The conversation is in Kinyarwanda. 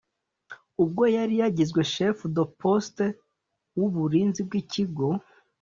ubwo yari yagizwe chef de poste w’uburinzi bw’ikigo